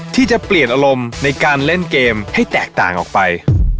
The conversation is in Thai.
ที่จะเปลี่ยนอารมณ์ในการเล่นเกมให้แตกต่างออกไป